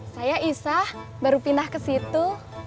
saya isa baru pindah kesitu